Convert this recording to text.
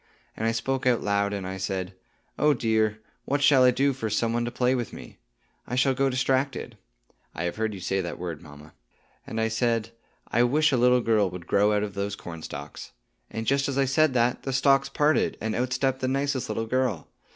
And I spoke out loud, and I said, 'Oh, dear, what shall I do for some one to play with me? I shall go distracted' (I have heard you say that word, mamma)! And I said, 'I wish a little girl would grow out of those cornstalks;' and just as I said that, the stalks parted, and out stepped the nicest little girl.